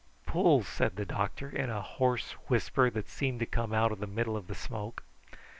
"Pull!" said the doctor in a hoarse whisper that seemed to come out of the middle of the smoke.